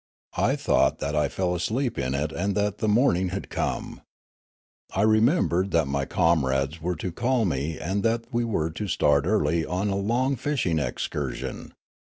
I thought that I fell asleep in it and that the morning had come. I re membered that my comrades were to call me and that we were to start early on a long fishing excursion.